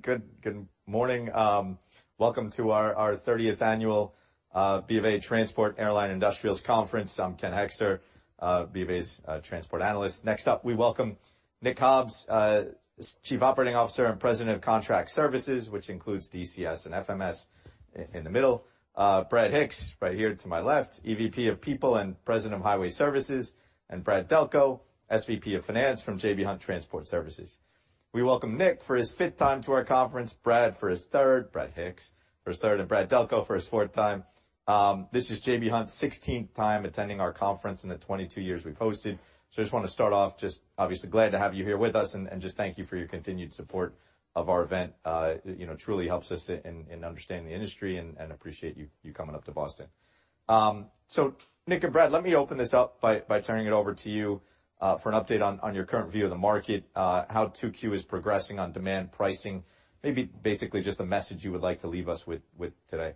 Good morning. Welcome to our 30th annual B of A Transport Airline Industrials Conference. I'm Ken Hoexter, B of A's transport analyst. Next up, we welcome Nick Hobbs, Chief Operating Officer and President of Contract Services, which includes DCS and FMS, in the middle. Brad Hicks right here to my left, EVP of People and President of Highway Services, and Brad Delco, SVP of Finance from J.B. Hunt Transport Services. We welcome Nick for his 5th time to our conference, Brad for his 3rd, Brad Hicks for his 3rd, and Brad Delco for his 4th time. This is J.B. Hunt's 16th time attending our conference in the 22 years we've hosted. I just wanna start off just obviously glad to have you here with us and just thank you for your continued support of our event. You know, it truly helps us in understanding the industry and appreciate you coming up to Boston. Nick and Brad, let me open this up by turning it over to you for an update on your current view of the market, how 2Q is progressing on demand pricing, maybe basically just a message you would like to leave us with today.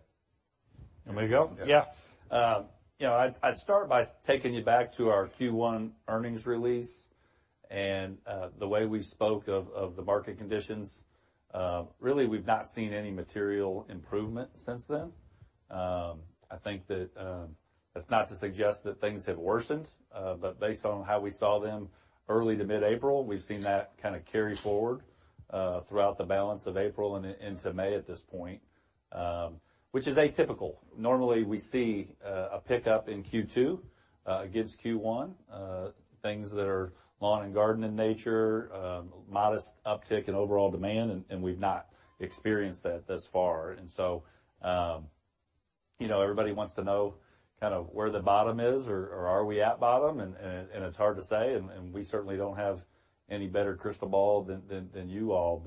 You want me to go? Yeah. Yeah. you know, I'd start by taking you back to our Q1 earnings release and the way we spoke of the market conditions. Really we've not seen any material improvement since then. I think that that's not to suggest that things have worsened, but based on how we saw them early to mid-April, we've seen that kinda carry forward throughout the balance of April and into May at this point, which is atypical. Normally, we see a pickup in Q2 against Q1, things that are lawn and garden in nature, modest uptick in overall demand, and we've not experienced that thus far. You know, everybody wants to know kind of where the bottom is or are we at bottom and it's hard to say, and we certainly don't have any better crystal ball than you all.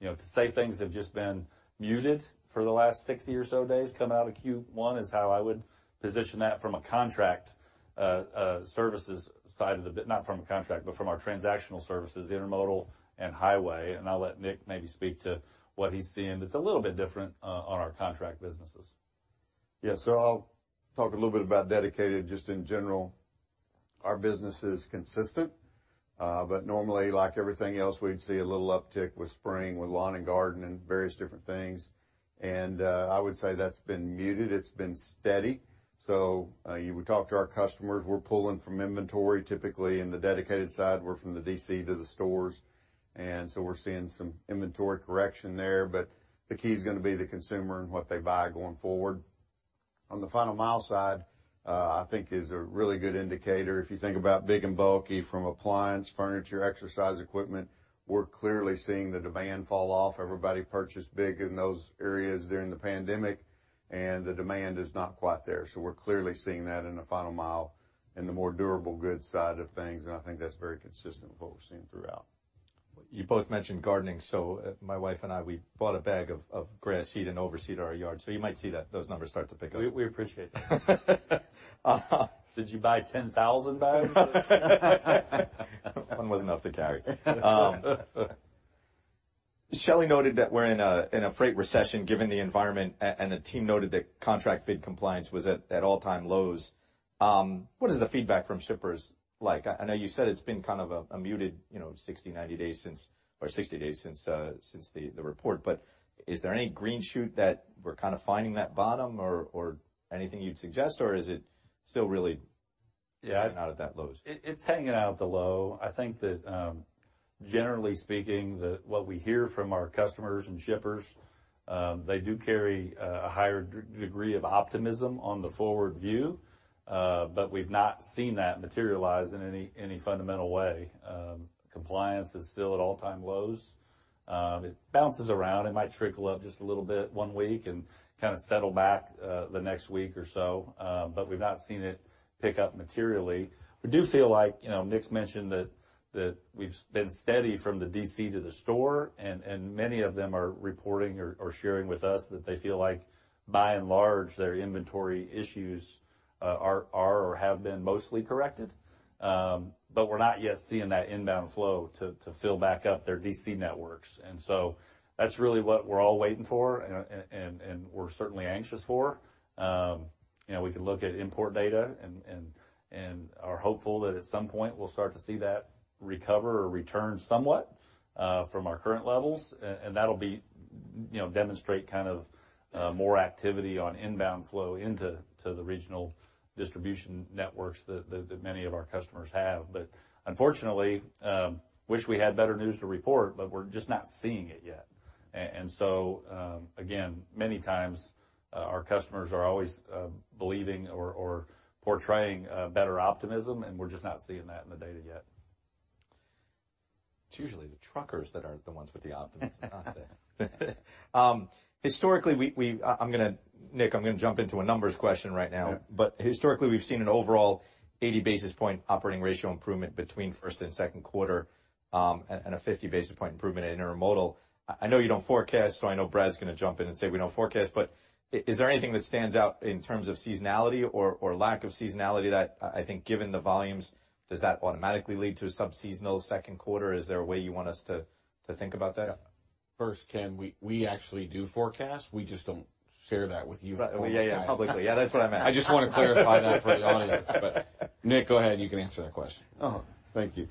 You know, to say things have just been muted for the last 60 or so days coming out of Q1 is how I would position that from a contract services side of the not from a contract, but from our transactional services, intermodal and highway. I'll let Nick maybe speak to what he's seeing that's a little bit different on our contract businesses. Yeah. I'll talk a little bit about dedicated just in general. Our business is consistent, but normally, like everything else, we'd see a little uptick with spring, with lawn and garden and various different things. I would say that's been muted. It's been steady. You would talk to our customers, we're pulling from inventory typically in the dedicated side. We're from the DC to the stores, and so we're seeing some inventory correction there. The key is gonna be the consumer and what they buy going forward. On the final mile side, I think is a really good indicator. If you think about big and bulky from appliance, furniture, exercise equipment, we're clearly seeing the demand fall off. Everybody purchased big in those areas during the pandemic, and the demand is not quite there. We're clearly seeing that in the final mile in the more durable goods side of things, and I think that's very consistent with what we're seeing throughout. You both mentioned gardening, so my wife and I, we bought a bag of grass seed and overseed our yard. You might see that, those numbers start to pick up. We appreciate that. Uh. Did you buy 10,000 bags? One was enough to carry. Shelley noted that we're in a, in a freight recession given the environment and the team noted that contract bid compliance was at all-time lows. What is the feedback from shippers like? I know you said it's been kind of a muted, you know, 60, 90 days since or 60 days since the report. Is there any green shoot that we're kinda finding that bottom or anything you'd suggest, or is it still really? Yeah. out at that lows? It's hanging out at the low. I think that generally speaking, what we hear from our customers and shippers, they do carry a higher degree of optimism on the forward view, but we've not seen that materialize in any fundamental way. Compliance is still at all-time lows. It bounces around. It might trickle up just a little bit one week and kinda settle back the next week or so, but we've not seen it pick up materially. We do feel like, you know, Nick's mentioned that we've been steady from the DC to the store, and many of them are reporting or sharing with us that they feel like by and large, their inventory issues are or have been mostly corrected. We're not yet seeing that inbound flow to fill back up their DC networks. That's really what we're all waiting for and we're certainly anxious for. You know, we can look at import data and are hopeful that at some point we'll start to see that recover or return somewhat from our current levels. That'll be, you know, demonstrate kind of more activity on inbound flow into the regional distribution networks that many of our customers have. Unfortunately, wish we had better news to report, but we're just not seeing it yet. Again, many times, our customers are always believing or portraying a better optimism, and we're just not seeing that in the data yet. It's usually the truckers that are the ones with the optimism, not the. Historically, Nick, I'm gonna jump into a numbers question right now. Yeah. Historically, we've seen an overall 80 basis point operating ratio improvement between first and second quarter, and a 50 basis point improvement in intermodal. I know you don't forecast, so I know Brad's gonna jump in and say, we don't forecast, but is there anything that stands out in terms of seasonality or lack of seasonality that I think given the volumes, does that automatically lead to a sub-seasonal second quarter? Is there a way you want us to think about that? First, Ken Hoexter, we actually do forecast. We just don't share that with you. Yeah, yeah, publicly. Yeah, that's what I meant. I just wanna clarify that for the audience. Nick, go ahead, you can answer that question. Thank you.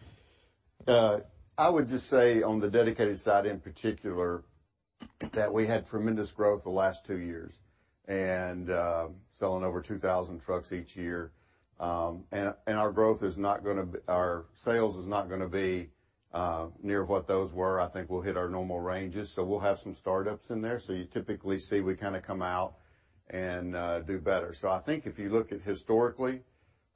I would just say on the dedicated side in particular, that we had tremendous growth the last two years and selling over 2,000 trucks each year. Our sales is not gonna be near what those were. I think we'll hit our normal ranges, so we'll have some startups in there. You typically see we kinda come out and do better. I think if you look at historically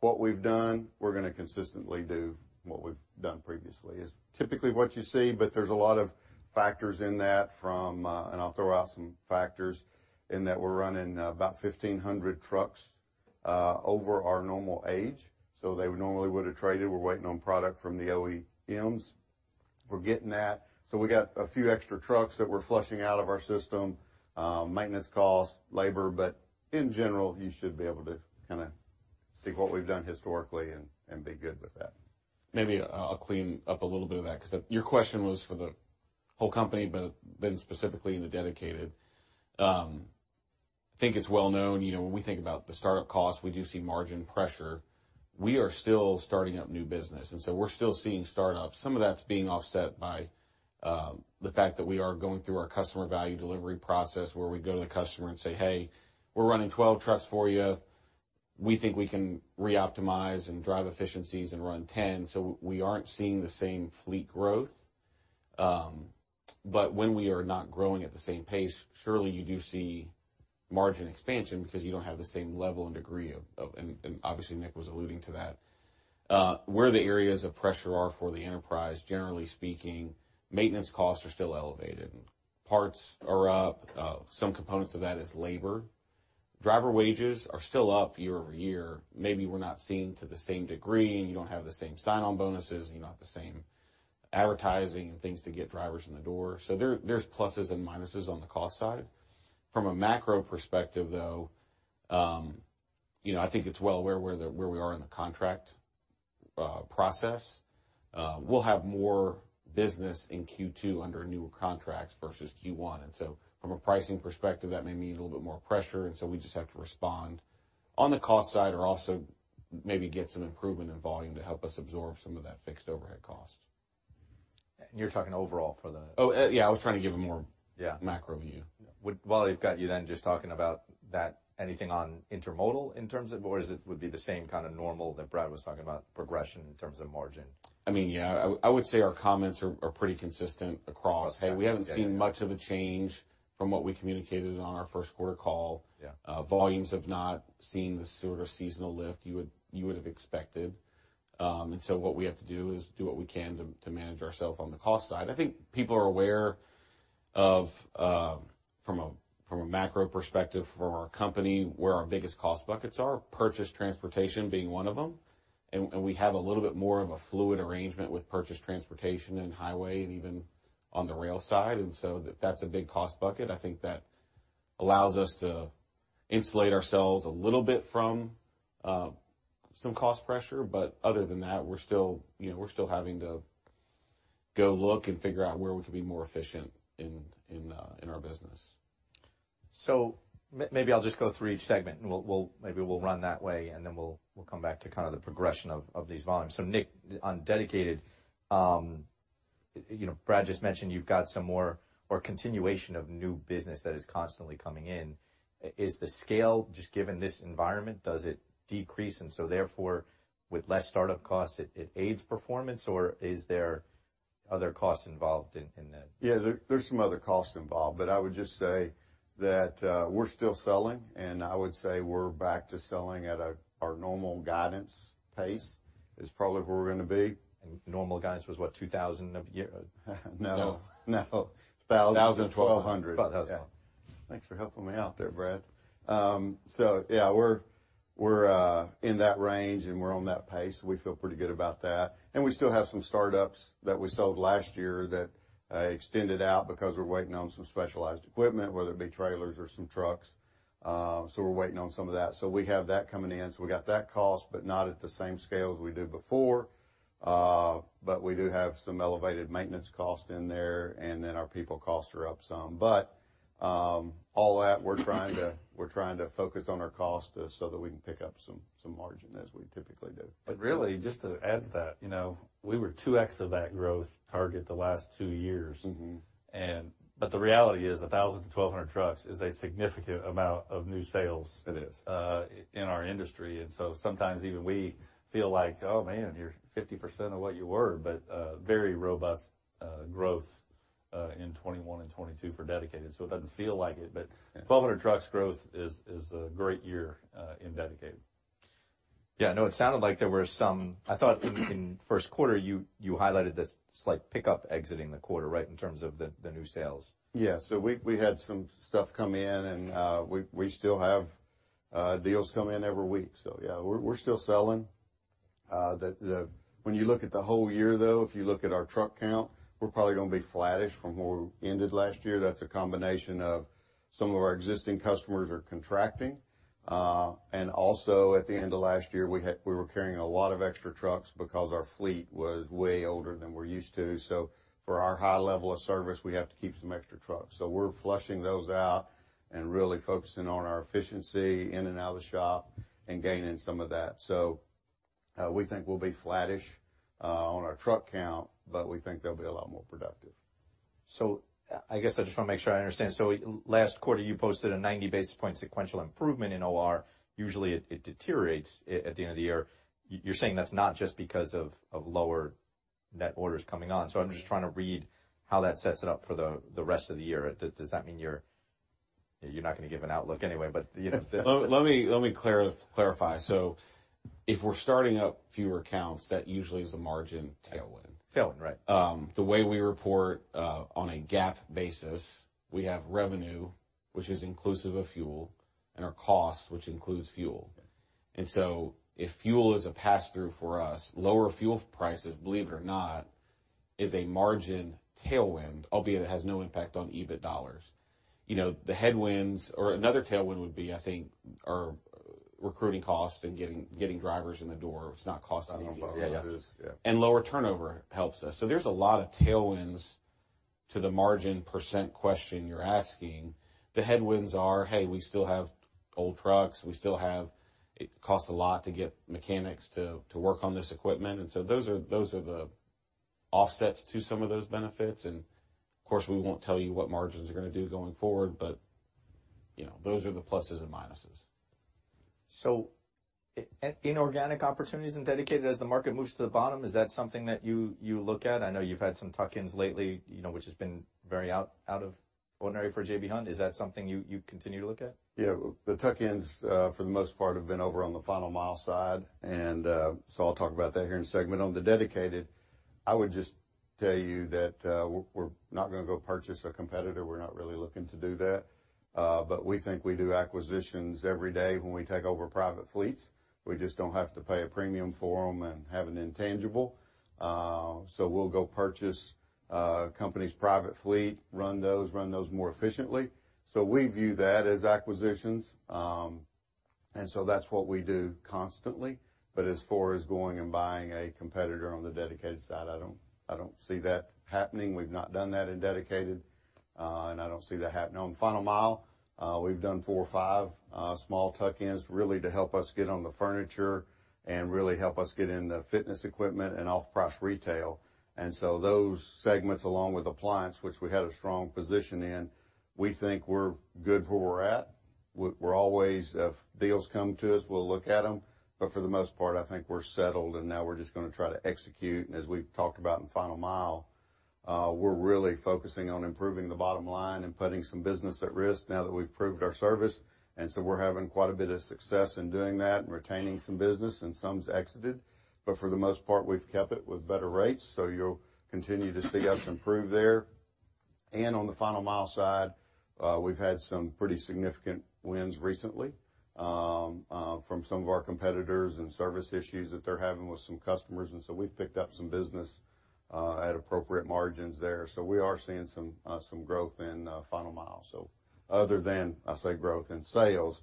what we've done, we're gonna consistently do what we've done previously. Is typically what you see, but there's a lot of factors in that from, and I'll throw out some factors in that we're running about 1,500 trucks over our normal age. They normally would have traded. We're waiting on product from the OEMs. We're getting that. We got a few extra trucks that we're flushing out of our system, maintenance costs, labor. In general, you should be able to kinda see what we've done historically and be good with that. Maybe I'll clean up a little bit of that 'cause your question was for the whole company, but then specifically in the dedicated. I think it's well known, you know, when we think about the startup costs, we do see margin pressure. We are still starting up new business, we're still seeing startups. Some of that's being offset by the fact that we are going through our Customer Value Delivery process, where we go to the customer and say, "Hey, we're running 12 trucks for you. We think we can re-optimize and drive efficiencies and run 10." We aren't seeing the same fleet growth. But when we are not growing at the same pace, surely you do see margin expansion because you don't have the same level and degree of. Obviously, Nick Hobbs was alluding to that. Where the areas of pressure are for the enterprise, generally speaking, maintenance costs are still elevated. Parts are up. Some components of that is labor. Driver wages are still up year-over-year. Maybe we're not seeing to the same degree, you don't have the same sign-on bonuses, and you don't have the same advertising and things to get drivers in the door. There's pluses and minuses on the cost side. From a macro perspective, though, you know, I think it's well where we are in the contract process. We'll have more business in Q2 under new contracts versus Q1. From a pricing perspective, that may mean a little bit more pressure. We just have to respond. On the cost side or also maybe get some improvement in volume to help us absorb some of that fixed overhead cost. You're talking overall for the. Oh, yeah, I was trying to give a. Yeah. macro view. While I've got you then just talking about that, anything on intermodal in terms of, or is it would be the same kind of normal that Brad was talking about progression in terms of margin? I mean, yeah, I would say our comments are pretty consistent across. Okay. We haven't seen much of a change from what we communicated on our first quarter call. Yeah. Volumes have not seen the sort of seasonal lift you would have expected. What we have to do is do what we can to manage ourself on the cost side. I think people are aware of from a macro perspective for our company, where our biggest cost buckets are, purchased transportation being one of them. We have a little bit more of a fluid arrangement with purchased transportation and highway and even on the rail side, and so that's a big cost bucket. I think that allows us to insulate ourselves a little bit from some cost pressure. Other than that, we're still, you know, we're still having to go look and figure out where we could be more efficient in our business. Maybe I'll just go through each segment and we'll maybe we'll run that way, and then we'll come back to kind of the progression of these volumes. Nick, on dedicated, you know, Brad just mentioned you've got some more or continuation of new business that is constantly coming in. Is the scale just given this environment, does it decrease and so therefore with less startup costs it aids performance, or is there other costs involved in that? Yeah, there's some other costs involved, but I would just say that, we're still selling, and I would say we're back to selling at our normal guidance pace. Okay. Is probably where we're gonna be. Normal guidance was what? $2,000 a year? No. No. No. $1,000. $1,200. 1,200. Yeah. Thanks for helping me out there, Brad. Yeah, we're in that range and we're on that pace. We feel pretty good about that. We still have some startups that we sold last year that extended out because we're waiting on some specialized equipment, whether it be trailers or some trucks. We're waiting on some of that. We have that coming in. We got that cost, but not at the same scale as we did before. We do have some elevated maintenance cost in there, and then our people costs are up some. All that we're trying to focus on our cost so that we can pick up some margin as we typically do. Really, just to add to that, you know, we were 2x of that growth target the last two years. Mm-hmm. The reality is 1,000-1,200 trucks is a significant amount of new sales. It is ...in our industry. Sometimes even we feel like, oh, man, you're 50% of what you were, but very robust growth in 2021 and 2022 for dedicated. It doesn't feel like it, but. Yeah. 1,200 trucks growth is a great year in dedicated. Yeah. No, it sounded like I thought in first quarter you highlighted this slight pickup exiting the quarter, right, in terms of the new sales? We had some stuff come in and we still have deals come in every week. We're still selling. When you look at the whole year though, if you look at our truck count, we're probably gonna be flattish from where we ended last year. That's a combination of some of our existing customers are contracting. Also at the end of last year, we were carrying a lot of extra trucks because our fleet was way older than we're used to. For our high level of service, we have to keep some extra trucks. We're flushing those out and really focusing on our efficiency in and out of the shop and gaining some of that. We think we'll be flattish, on our truck count, but we think they'll be a lot more productive. I guess I just wanna make sure I understand. Last quarter, you posted a 90 basis point sequential improvement in OR. Usually it deteriorates at the end of the year. You're saying that's not just because of lower net orders coming on. I'm just trying to read how that sets it up for the rest of the year. Does that mean you're... You're not gonna give an outlook anyway, but, you know? Let me clarify. If we're starting up fewer accounts, that usually is a margin tailwind. Tailwind, right. The way we report, on a GAAP basis, we have revenue, which is inclusive of fuel, and our cost, which includes fuel. If fuel is a pass-through for us, lower fuel prices, believe it or not, is a margin tailwind, albeit it has no impact on EBIT dollars. You know, the headwinds or another tailwind would be, I think, our recruiting costs and getting drivers in the door. It's not costing as easy. Yeah. Lower turnover helps us. There's a lot of tailwinds to the margin % question you're asking. The headwinds are, hey, we still have old trucks. It costs a lot to get mechanics to work on this equipment. Those are the offsets to some of those benefits. Of course, we won't tell you what margins are gonna do going forward, but, you know, those are the pluses and minuses. Inorganic opportunities in dedicated as the market moves to the bottom, is that something that you look at? I know you've had some tuck-ins lately, you know, which has been very out of ordinary for J.B. Hunt. Is that something you continue to look at? Yeah. The tuck-ins, for the most part, have been over on the final mile side. I'll talk about that here in a segment. On the dedicated, I would just tell you that, we're not gonna go purchase a competitor. We're not really looking to do that. We think we do acquisitions every day when we take over private fleets. We just don't have to pay a premium for them and have an intangible. We'll go purchase a company's private fleet, run those more efficiently. We view that as acquisitions. That's what we do constantly. As far as going and buying a competitor on the dedicated side, I don't, I don't see that happening. We've not done that in dedicated, and I don't see that happening. On final mile, we've done four or five small tuck-ins really to help us get on the furniture and really help us get in the fitness equipment and off-price retail. Those segments, along with appliance, which we had a strong position in, we think we're good where we're at. We're always, if deals come to us, we'll look at them. For the most part, I think we're settled, and now we're just gonna try to execute. As we've talked about in final mile, we're really focusing on improving the bottom line and putting some business at risk now that we've proved our service. We're having quite a bit of success in doing that and retaining some business and some's exited. For the most part, we've kept it with better rates. You'll continue to see us improve there. On the final mile side, we've had some pretty significant wins recently from some of our competitors and service issues that they're having with some customers. We've picked up some business at appropriate margins there. We are seeing some growth in final mile. Other than I say growth in sales,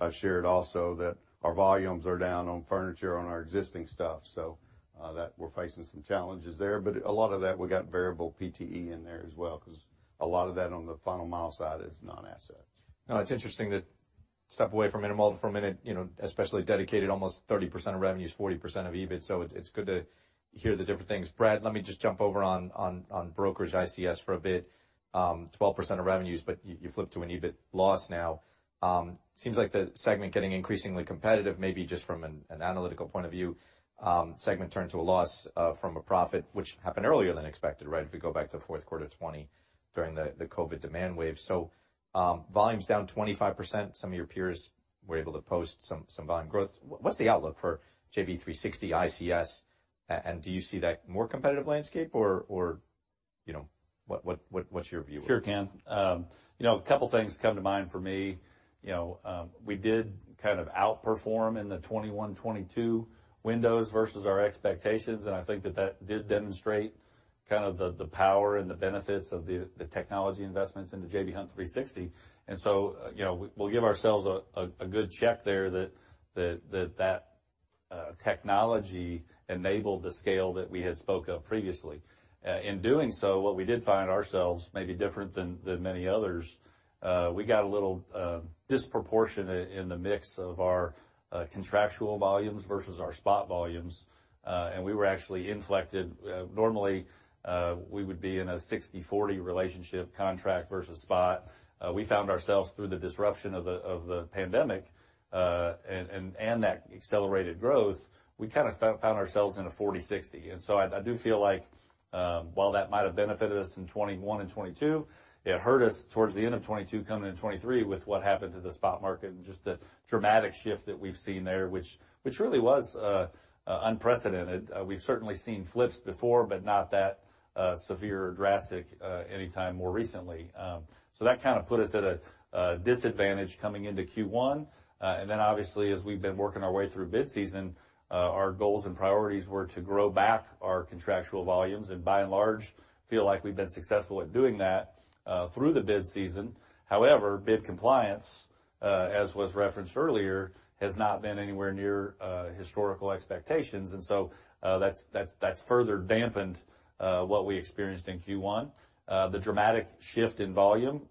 I shared also that our volumes are down on furniture on our existing stuff, so that we're facing some challenges there. A lot of that, we got variable PTE in there as well, because a lot of that on the final mile side is non-asset. It's interesting to step away from intermodal for a minute, you know, especially dedicated, almost 30% of revenue is 40% of EBIT, so it's good to hear the different things. Brad, let me just jump over on brokerage ICS for a bit. You flip to an EBIT loss now. Seems like the segment getting increasingly competitive, maybe just from an analytical point of view, segment turned to a loss from a profit, which happened earlier than expected, right? If we go back to fourth quarter 2020 during the COVID demand wave. Volumes down 25%. Some of your peers were able to post some volume growth. What's the outlook for J.B. 360 ICS? And do you see that more competitive landscape or, you know, what's your view? Sure, Ken. you know, a couple things come to mind for me. You know, we did kind of outperform in the 2021, 2022 windows versus our expectations, and I think that that did demonstrate kind of the power and the benefits of the technology investments into J.B. Hunt 360°. You know, we'll give ourselves a good check there that technology enabled the scale that we had spoke of previously. In doing so, what we did find ourselves maybe different than many others, we got a little, disproportionate in the mix of our, contractual volumes versus our spot volumes, and we were actually inflected. Normally, we would be in a 60/40 relationship contract versus spot. We found ourselves through the disruption of the pandemic, and that accelerated growth, we kinda found ourselves in a 40/60. I do feel like while that might have benefited us in 2021 and 2022, it hurt us towards the end of 2022 coming into 2023 with what happened to the spot market and just the dramatic shift that we've seen there, which really was unprecedented. We've certainly seen flips before, but not that severe or drastic anytime more recently. That kinda put us at a disadvantage coming into Q1. Obviously, as we've been working our way through bid season, our goals and priorities were to grow back our contractual volumes. By and large, feel like we've been successful at doing that through the bid season. However, bid compliance, as was referenced earlier, has not been anywhere near historical expectations. That's further dampened what we experienced in Q1. The dramatic shift in volume,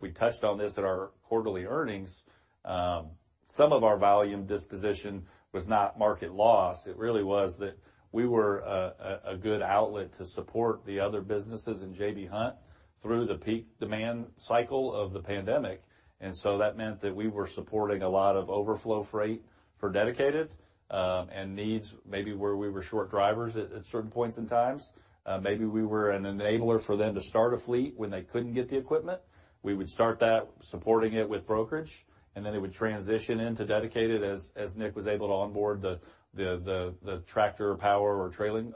we touched on this at our quarterly earnings. Some of our volume disposition was not market loss. It really was that we were a good outlet to support the other businesses in J.B. Hunt through the peak demand cycle of the pandemic. That meant that we were supporting a lot of overflow freight for dedicated, and needs maybe where we were short drivers at certain points in times. Maybe we were an enabler for them to start a fleet when they couldn't get the equipment. We would start that, supporting it with brokerage, and then it would transition into dedicated as Nick was able to onboard the tractor power or trailing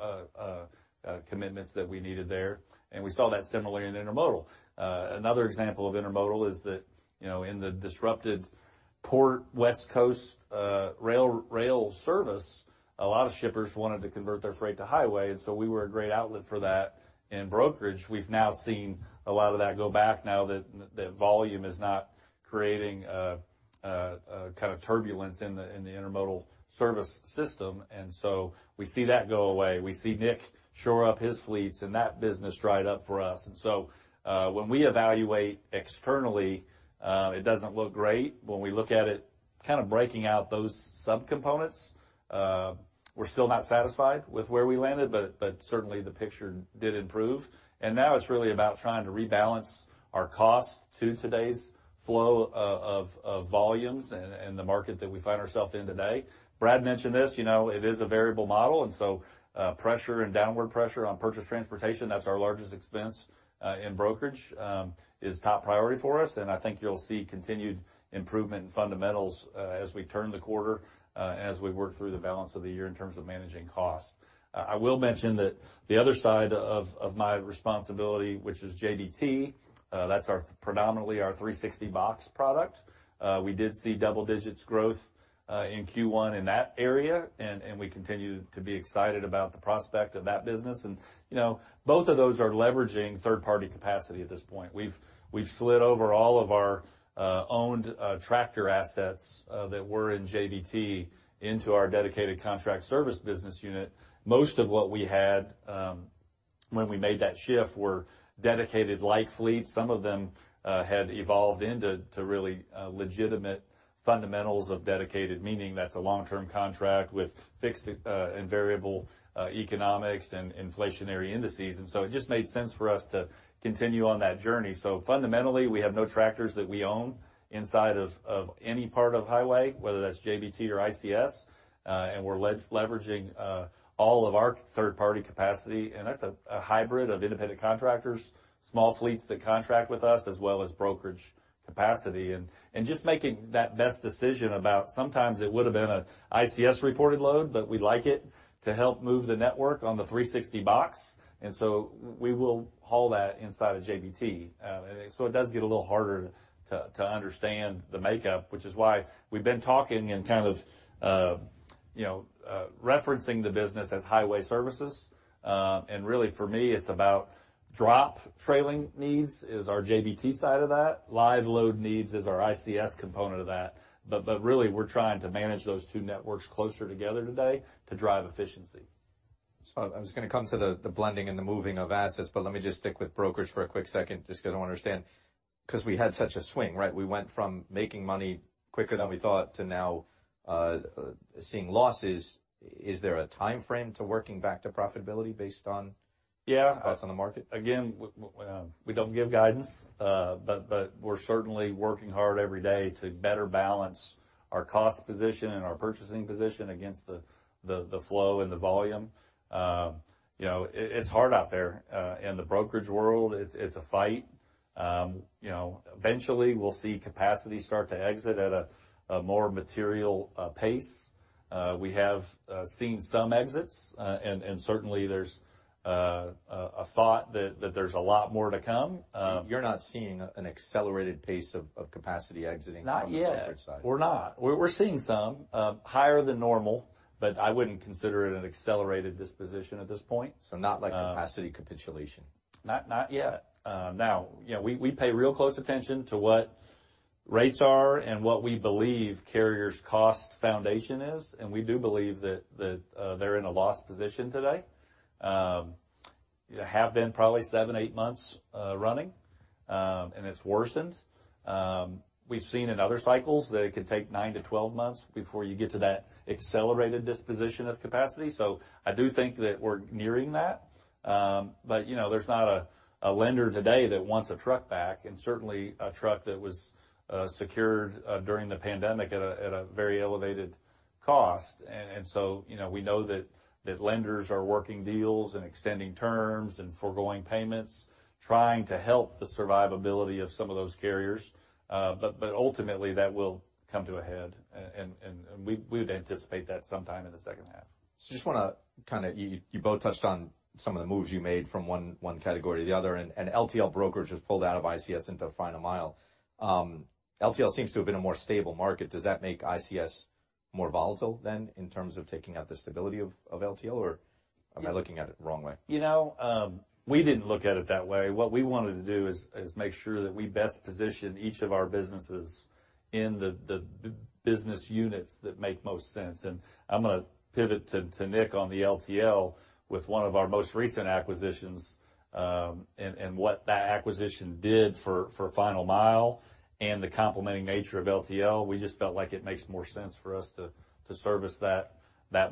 commitments that we needed there. We saw that similarly in Intermodal. Another example of Intermodal is that, you know, in the disrupted port West Coast, rail service, a lot of shippers wanted to convert their freight to highway, and so we were a great outlet for that. In brokerage, we've now seen a lot of that go back now that the volume is not creating kind of turbulence in the intermodal service system. We see that go away. We see Nick shore up his fleets and that business dried up for us. When we evaluate externally, it doesn't look great. When we look at it kind of breaking out those subcomponents, we're still not satisfied with where we landed, but certainly the picture did improve. Now it's really about trying to rebalance our cost to today's flow of volumes and the market that we find ourself in today. Brad mentioned this, you know, it is a variable model, pressure and downward pressure on purchased transportation, that's our largest expense, in brokerage, is top priority for us. I think you'll see continued improvement in fundamentals, as we turn the quarter, and as we work through the balance of the year in terms of managing costs. I will mention that the other side of my responsibility, which is JBT, that's our predominantly our 360box product. We did see double-digit growth in Q1 in that area, and we continue to be excited about the prospect of that business. You know, both of those are leveraging third-party capacity at this point. We've slid over all of our owned tractor assets that were in JBT into our dedicated contract service business unit. Most of what we had when we made that shift were dedicated light fleets. Some of them had evolved into to really legitimate fundamentals of dedicated, meaning that's a long-term contract with fixed and variable economics and inflationary indices. It just made sense for us to continue on that journey. Fundamentally, we have no tractors that we own inside of any part of highway, whether that's JBT or ICS. We're leveraging all of our third-party capacity, and that's a hybrid of independent contractors, small fleets that contract with us, as well as brokerage capacity. Just making that best decision about sometimes it would have been a ICS-reported load, but we'd like it to help move the network on the 360box. We will haul that inside of JBT. So it does get a little harder to understand the makeup, which is why we've been talking and kind of, you know, referencing the business as Highway Services. Really for me, it's about drop trailing needs is our JBT side of that. Live load needs is our ICS component of that. Really we're trying to manage those two networks closer together today to drive efficiency. I was gonna come to the blending and the moving of assets, but let me just stick with brokerage for a quick second, just 'cause I want to understand. We had such a swing, right? We went from making money quicker than we thought to now seeing losses. Is there a timeframe to working back to profitability based on- Yeah ...thoughts on the market? Again, we don't give guidance. We're certainly working hard every day to better balance our cost position and our purchasing position against the flow and the volume. You know, it's hard out there. In the brokerage world, it's a fight. You know, eventually we'll see capacity start to exit at a more material pace. We have seen some exits, and certainly there's a thought that there's a lot more to come. You're not seeing an accelerated pace of capacity exiting. Not yet. ...on the brokerage side? We're not. We're seeing some, higher than normal, but I wouldn't consider it an accelerated disposition at this point. Not like capacity capitulation? Not yet. Now, you know, we pay real close attention to what rates are and what we believe carriers' cost foundation is, and we do believe that they're in a loss position today. Have been probably seven, eight months running, and it's worsened. We've seen in other cycles that it can take 9-12 months before you get to that accelerated disposition of capacity. I do think that we're nearing that. You know, there's not a lender today that wants a truck back and certainly a truck that was secured during the pandemic at a very elevated cost. You know, we know that lenders are working deals and extending terms and foregoing payments, trying to help the survivability of some of those carriers. Ultimately, that will come to a head and we would anticipate that sometime in the second half. Just wanna kinda, you both touched on some of the moves you made from one category to the other, and LTL brokerage was pulled out of ICS into final mile. LTL seems to have been a more stable market. Does that make ICS. More volatile in terms of taking out the stability of LTL or. Yeah. Am I looking at it the wrong way? You know, we didn't look at it that way. What we wanted to do is make sure that we best position each of our businesses in the business units that make most sense. I'm gonna pivot to Nick on the LTL with one of our most recent acquisitions, and what that acquisition did for final mile and the complementing nature of LTL. We just felt like it makes more sense for us to service that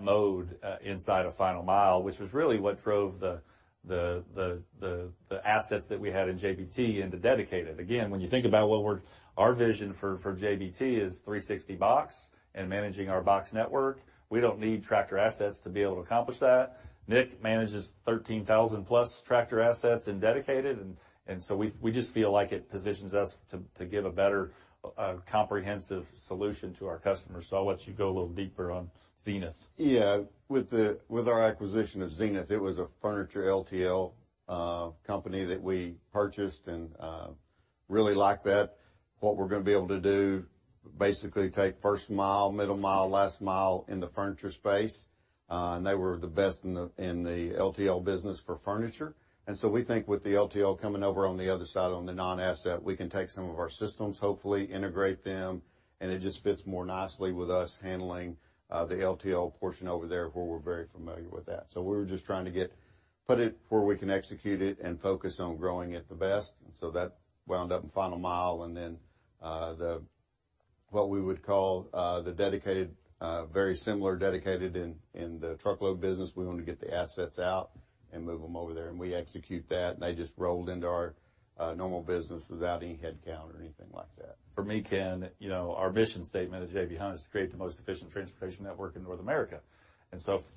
mode inside of final mile, which was really what drove the assets that we had in JBT into dedicated. When you think about what our vision for JBT is 360box and managing our box network. We don't need tractor assets to be able to accomplish that. Nick manages 13,000+ tractor assets in dedicated, and so we just feel like it positions us to give a better, comprehensive solution to our customers. I'll let you go a little deeper on Zenith. Yeah. With our acquisition of Zenith, it was a furniture LTL company that we purchased and really like that. What we're gonna be able to do, basically take first mile, middle mile, last mile in the furniture space, and they were the best in the LTL business for furniture. We think with the LTL coming over on the other side on the non-asset, we can take some of our systems, hopefully integrate them, and it just fits more nicely with us handling the LTL portion over there where we're very familiar with that. We were just trying to put it where we can execute it and focus on growing it the best. That wound up in final mile, and then, what we would call, the dedicated, very similar dedicated in the truckload business. We execute that, and they just rolled into our normal business without any headcount or anything like that. For me, Ken, you know, our mission statement at J.B. Hunt is to create the most efficient transportation network in North America.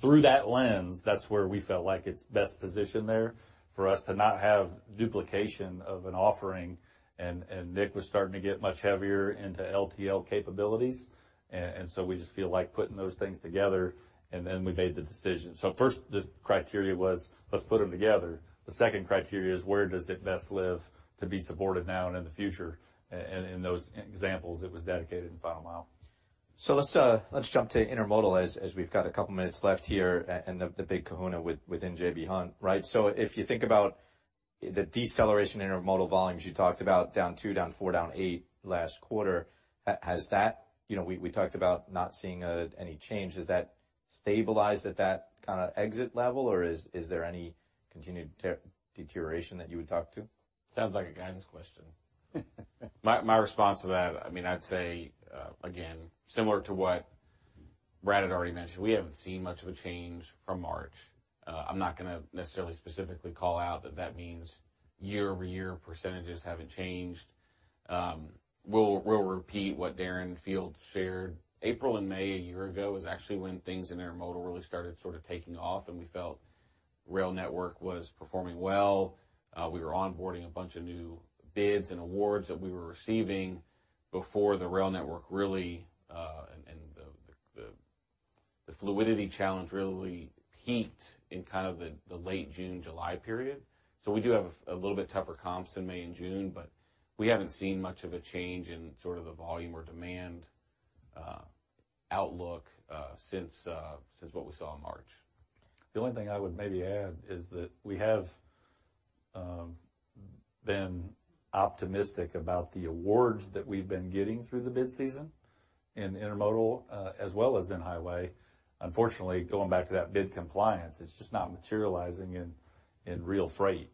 Through that lens, that's where we felt like it's best positioned there for us to not have duplication of an offering. Nick was starting to get much heavier into LTL capabilities. We just feel like putting those things together, and then we made the decision. First the criteria was, let's put them together. The second criteria is where does it best live to be supported now and in the future. In those examples, it was dedicated and final mile. Let's, let's jump to intermodal as we've got a couple minutes left here and the big kahuna within J.B. Hunt, right? If you think about the deceleration in intermodal volumes, you talked about down 2%, down 4%, down 8% last quarter. You know, we talked about not seeing any change. Has that stabilized at that kinda exit level, or is there any continued deterioration that you would talk to? Sounds like a guidance question. My response to that, I mean, I'd say, again, similar to what Brad had already mentioned, we haven't seen much of a change from March. I'm not gonna necessarily specifically call out that that means year-over-year percentages haven't changed. We'll repeat what Darren Field shared. April and May a year ago was actually when things in intermodal really started sort of taking off and we felt rail network was performing well. We were onboarding a bunch of new bids and awards that we were receiving before the rail network really, and the fluidity challenge really peaked in kind of the late June, July period. We do have a little bit tougher comps in May and June, but we haven't seen much of a change in sort of the volume or demand outlook since what we saw in March. The only thing I would maybe add is that we have been optimistic about the awards that we've been getting through the bid season in intermodal, as well as in highway. Unfortunately, going back to that bid compliance, it's just not materializing in real freight.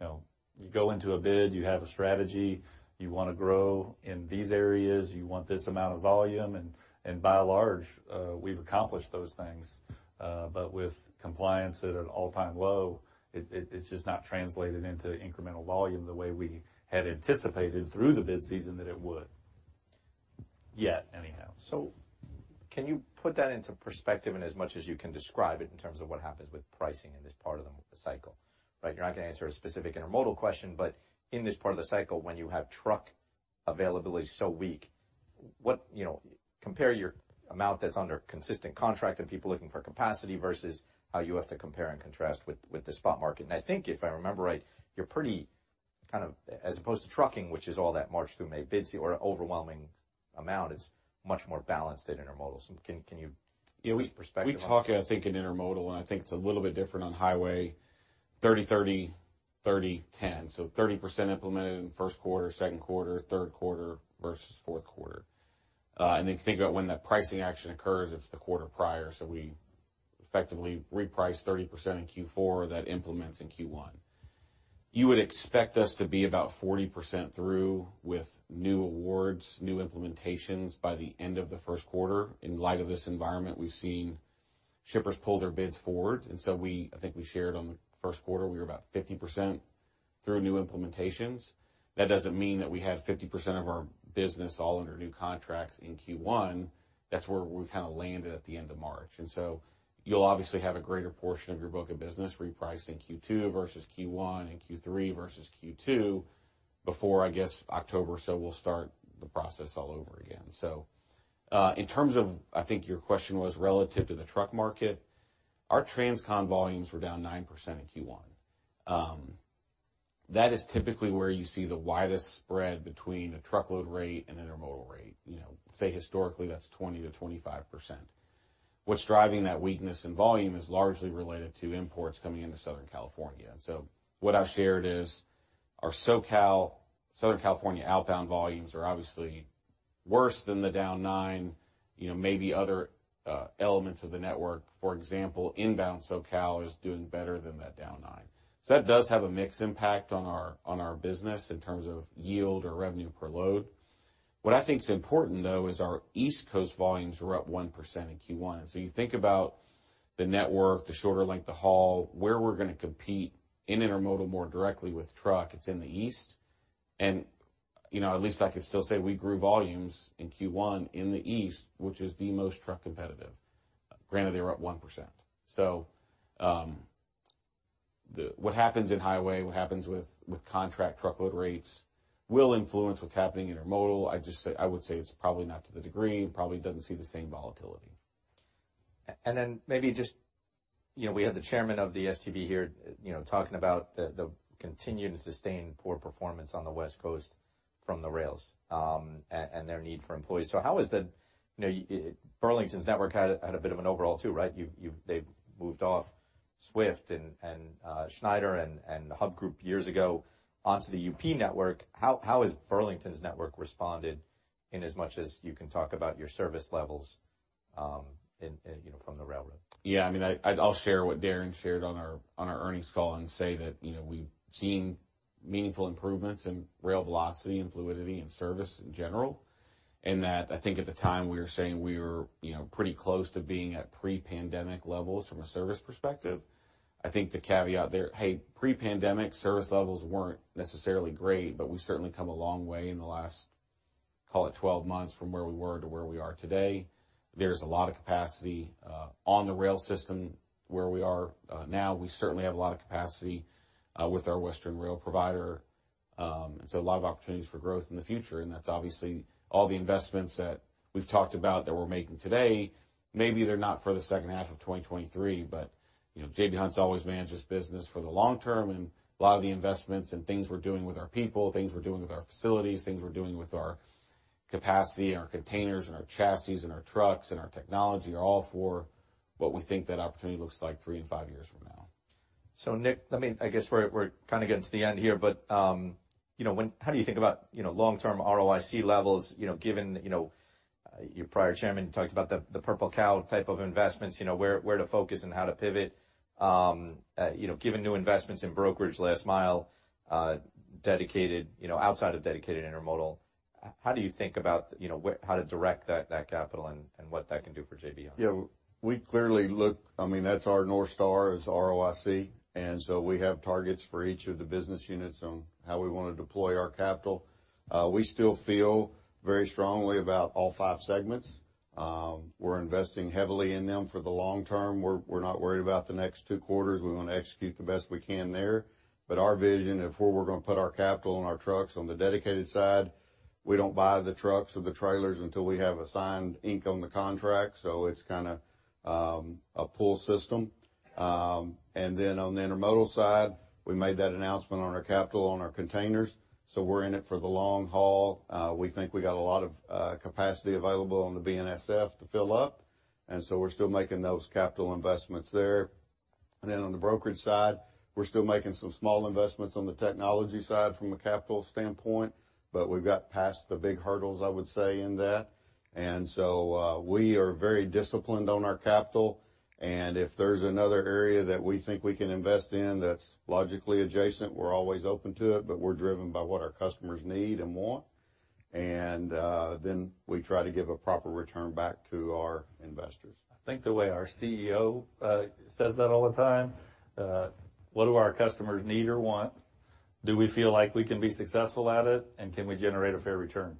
You know, you go into a bid, you have a strategy. You wanna grow in these areas, you want this amount of volume, and by and large, we've accomplished those things. With compliance at an all-time low, it's just not translated into incremental volume the way we had anticipated through the bid season that it would. Yet, anyhow. Can you put that into perspective in as much as you can describe it in terms of what happens with pricing in this part of the cycle, right? You're not gonna answer a specific intermodal question, but in this part of the cycle, when you have truck availability so weak, what, you know? Compare your amount that's under consistent contract and people looking for capacity versus how you have to compare and contrast with the spot market. I think if I remember right, you're pretty kind of as opposed to trucking, which is all that March through May bid or overwhelming amount is much more balanced at intermodal. Can you give perspective on that? We talk, I think, in intermodal, and I think it's a little bit different on highway, 30-30, 30-10. 30% implemented in first quarter, second quarter, third quarter versus fourth quarter. And if you think about when that pricing action occurs, it's the quarter prior. We effectively reprice 30% in Q4 that implements in Q1. You would expect us to be about 40% through with new awards, new implementations by the end of the first quarter. In light of this environment, we've seen shippers pull their bids forward. I think we shared on the first quarter, we were about 50% through new implementations. That doesn't mean that we have 50% of our business all under new contracts in Q1. That's where we kinda landed at the end of March. You'll obviously have a greater portion of your book of business repriced in Q2 versus Q1 and Q3 versus Q2 before, I guess, October, so we'll start the process all over again. In terms of, I think your question was relative to the truck market, our transcon volumes were down 9% in Q1. That is typically where you see the widest spread between a truckload rate and intermodal rate. You know, say historically, that's 20%-25%. What's driving that weakness in volume is largely related to imports coming into Southern California. What I've shared is our SoCal, Southern California outbound volumes are obviously worse than the down 9, you know, maybe other elements of the network. For example, inbound SoCal is doing better than that down 9. That does have a mixed impact on our business in terms of yield or revenue per load. What I think is important, though, is our East Coast volumes were up 1% in Q1. You think about the network, the shorter length of haul, where we're gonna compete in intermodal more directly with truck, it's in the East. You know, at least I could still say we grew volumes in Q1 in the East, which is the most truck competitive, granted they were up 1%. What happens in highway, what happens with contract truckload rates will influence what's happening intermodal. I would say it's probably not to the degree, probably doesn't see the same volatility. Maybe just, you know, we had the Chairman of the STB here, you know, talking about the continued and sustained poor performance on the West Coast from the rails, and their need for employees. How is the, you know, Burlington's network had a, had a bit of an overall too, right? They've moved off Swift and Schneider and Hub Group years ago onto the UP network. How has Burlington's network responded in as much as you can talk about your service levels, and, you know, from the railroad? Yeah, I mean, I'll share what Darren shared on our earnings call and say that, you know, we've seen meaningful improvements in rail velocity and fluidity and service in general, and that I think at the time, we were saying we were, you know, pretty close to being at pre-pandemic levels from a service perspective. I think the caveat there, hey, pre-pandemic service levels weren't necessarily great, but we've certainly come a long way in the last, call it, 12 months from where we were to where we are today. There's a lot of capacity on the rail system where we are. Now we certainly have a lot of capacity with our Western rail provider, and so a lot of opportunities for growth in the future, and that's obviously all the investments that we've talked about that we're making today. Maybe they're not for the second half of 2023, but you know, J.B. Hunt's always managed its business for the long term, and a lot of the investments and things we're doing with our people, things we're doing with our facilities, things we're doing with our capacity and our containers and our chassis and our trucks and our technology are all for what we think that opportunity looks like three and five years from now. Nick, I guess we're kinda getting to the end here, but, you know, how do you think about, you know, long-term ROIC levels, you know, given, you know, your prior chairman talked about the Purple Cow type of investments, you know, where to focus and how to pivot. You know, given new investments in brokerage last mile, dedicated, you know, outside of dedicated intermodal, how do you think about, you know, how to direct that capital and what that can do for JBH? I mean, that's our North Star is ROIC. We have targets for each of the business units on how we wanna deploy our capital. We still feel very strongly about all five segments. We're investing heavily in them for the long term. We're not worried about the next two quarters. We wanna execute the best we can there. Our vision of where we're gonna put our capital and our trucks on the dedicated side, we don't buy the trucks or the trailers until we have a signed ink on the contract, it's kinda a pull system. On the intermodal side, we made that announcement on our capital on our containers, we're in it for the long haul. We think we got a lot of capacity available on the BNSF to fill up, and so we're still making those capital investments there. On the brokerage side, we're still making some small investments on the technology side from a capital standpoint, but we've got past the big hurdles, I would say, in that. We are very disciplined on our capital, and if there's another area that we think we can invest in that's logically adjacent, we're always open to it, but we're driven by what our customers need and want. We try to give a proper return back to our investors. I think the way our CEO says that all the time, what do our customers need or want? Do we feel like we can be successful at it, and can we generate a fair return?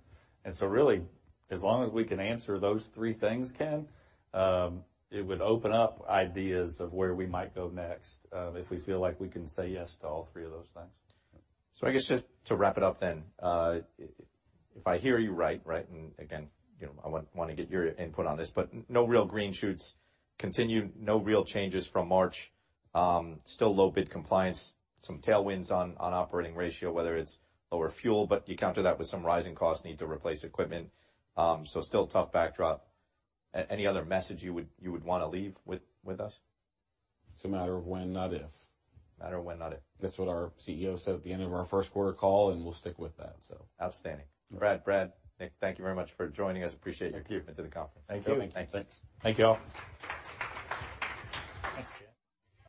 Really, as long as we can answer those three things, Ken, it would open up ideas of where we might go next, if we feel like we can say yes to all three of those things. I guess just to wrap it up then, if I hear you right, and again, you know, I want to get your input on this, but no real green shoots continued, no real changes from March. Still low bid compliance, some tailwinds on operating ratio, whether it's lower fuel, but you counter that with some rising costs, need to replace equipment. Still tough backdrop. Any other message you would wanna leave with us? It's a matter of when, not if. Matter of when, not if. That's what our CEO said at the end of our first quarter call, and we'll stick with that, so. Outstanding. Brad, Nick, thank you very much for joining us. Thank you. coming to the conference. Thank you. Thank you. Thanks. Thank y'all. Thanks, Ken.